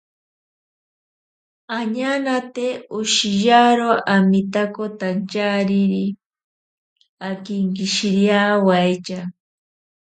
Añanate oshiyaro aminakotantyari akinkishiriawaitya.